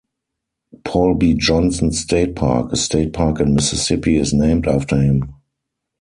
Paul B. Johnson State Park, a state park in Mississippi, is named after him.